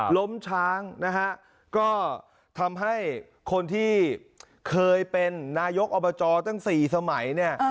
ล้มช้างนะฮะก็ทำให้คนที่เคยเป็นนายกอบจตั้ง๔สมัยเนี่ย